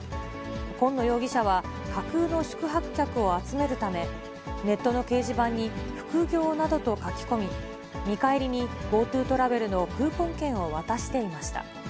紺野容疑者は、架空の宿泊客を集めるため、ネットの掲示板に副業などと書き込み、見返りにＧｏＴｏトラベルのクーポン券を渡していました。